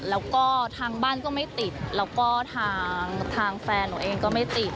แล้วก็ทางบ้านก็ไม่ติดแล้วก็ทางแฟนหนูเองก็ไม่ติด